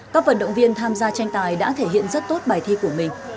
các vận động viên tham gia tranh tài đã thể hiện rất tốt bài thi của mình